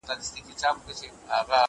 د نارنج ګل به پرننګرهار وي `